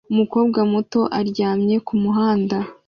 Umukobwa muto aryamye kumuhanda